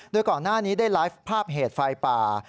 โดยก่อนหน้านี้ได้ไลฟ์ภาพเหตุไฟป่า